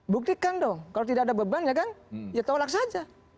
buktikan dong kalau tidak ada beban ya kan ya tolak saja